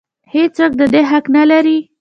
هېڅ څوک د دې حق نه لري.